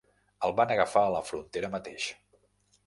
El van agafar a la frontera mateix.